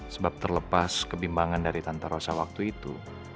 sebab terlepas kebimbangan dari tante rosa waktu itu